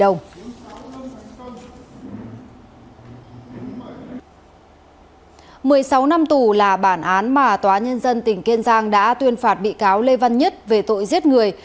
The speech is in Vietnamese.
một mươi sáu năm tù là bản án mà tòa nhân dân tỉnh kiên giang đã tuyên phạt bị cáo lê văn nhất về tội giết người